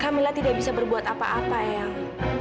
kamilah tidak bisa berbuat apa apa ayang